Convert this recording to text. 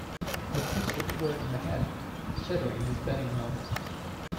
The pitch hit Wert in the head, shattering his batting helmet.